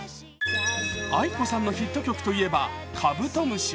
ａｉｋｏさんのヒット曲といえば「カブトムシ」。